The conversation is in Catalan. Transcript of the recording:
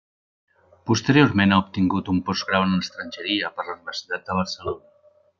Posteriorment ha obtingut un postgrau en estrangeria per la Universitat de Barcelona.